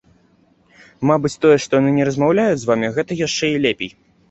Мабыць, тое, што яны не размаўляюць з вамі, гэта яшчэ і лепей.